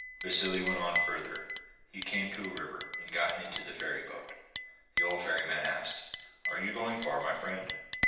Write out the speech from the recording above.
Vassili went on further. He came to a river and got into the ferryboat. The old ferryman asked: 'Are you going far, my friend?